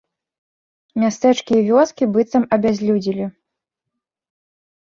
Мястэчкі і вёскі быццам абязлюдзелі.